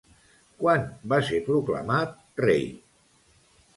Quan va ser proclamat rei?